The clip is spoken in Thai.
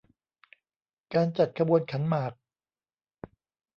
การจัดขบวนขันหมาก